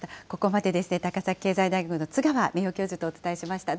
ここまで、高崎経済大学の津川名誉教授とお伝えしました。